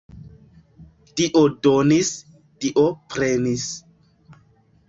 Dio donis, Dio prenis.